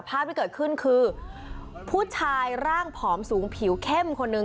ภาพที่เกิดขึ้นคือผู้ชายร่างผอมสูงผิวเข้มคนนึง